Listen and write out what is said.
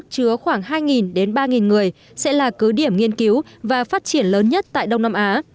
chứa khoảng hai đến ba người sẽ là cứ điểm nghiên cứu và phát triển lớn nhất tại đông nam á